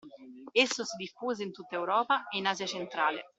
Esso si diffuse in tutta Europa e in Asia Centrale.